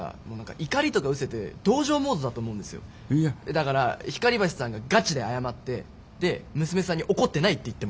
だから光橋さんがガチで謝ってで娘さんに「怒ってない」って言ってもらう。